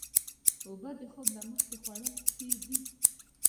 اوبه د خوب نه مخکې خوړل ښې دي.